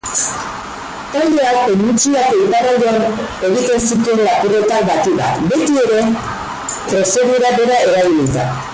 Taldeak penintsulako iparraldean egiten zituen lapurretak batik bat, betiere prozedura bera erabilita.